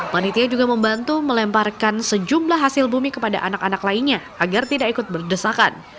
panitia juga membantu melemparkan sejumlah hasil bumi kepada anak anak lainnya agar tidak ikut berdesakan